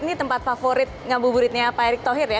ini tempat favorit ngabuburitnya pak erick thohir ya